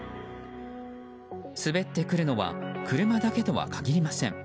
滑ってくるのは車だけとは限りません。